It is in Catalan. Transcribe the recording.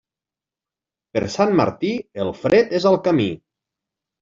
Per Sant Martí, el fred és al camí.